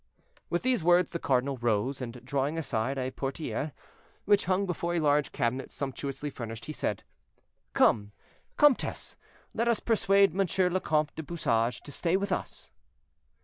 With these words the cardinal rose, and drawing aside a portière, which hung before a large cabinet sumptuously furnished, he said: "Come, comtesse, let us persuade Monsieur le Comte du Bouchage to stay with us."